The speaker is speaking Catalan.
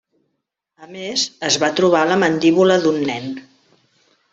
A més, es va trobar la mandíbula d'un nen.